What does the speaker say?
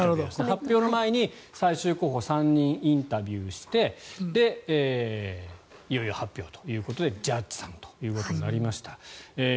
発表の前に最終候補３人にインタビューをしていよいよ発表ということでジャッジさんとなりました。